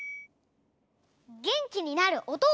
げんきになるおとをだす！